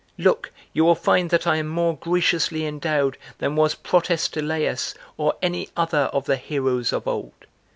Look! You will find that I am more graciously endowed than was Protestilaus or any other of the heroes of old!"